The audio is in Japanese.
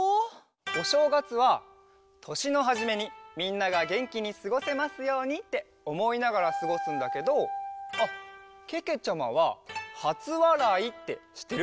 おしょうがつはとしのはじめにみんながげんきにすごせますようにっておもいながらすごすんだけどあっけけちゃまははつわらいってしってる？